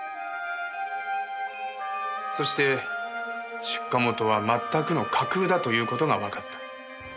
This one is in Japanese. そして出荷元は全くの架空だという事がわかった。